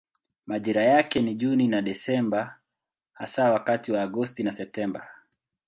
Majira yake ni Juni na Desemba hasa wakati wa Agosti na Septemba.